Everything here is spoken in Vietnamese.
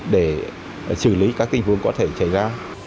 để xử lý các tình huống có thể xảy ra